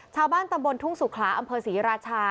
ชาวบ้านตำบลทุ่งสุขลาอำเภอศรีราชา